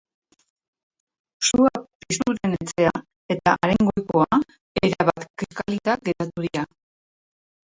Sua piztu den etxea eta haren goikoa erabat kiskalita geratu dira.